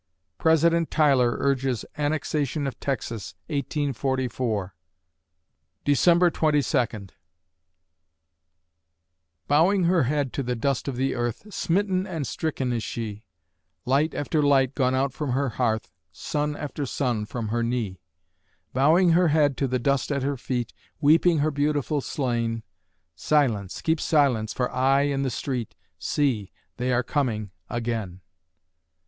_) President Tyler urges annexation of Texas, 1844 December Twenty Second Bowing her head to the dust of the earth, Smitten and stricken is she; Light after light gone out from her hearth, Son after son from her knee. Bowing her head to the dust at her feet, Weeping her beautiful slain; Silence! keep silence for aye in the street See! they are coming again!